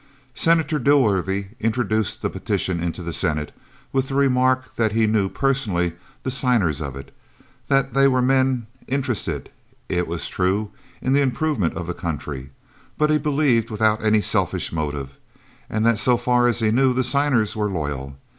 Senator Dilworthy introduced the petition into the Senate with the remark that he knew, personally, the signers of it, that they were men interested, it was true, in the improvement of the country, but he believed without any selfish motive, and that so far as he knew the signers were loyal.